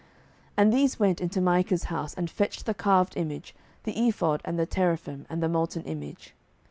07:018:018 And these went into Micah's house, and fetched the carved image, the ephod, and the teraphim, and the molten image.